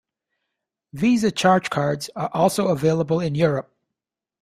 Visa charge cards are also available in Europe.